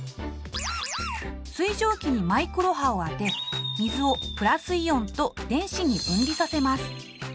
水蒸気にマイクロ波を当て水をプラスイオンと電子に分離させます。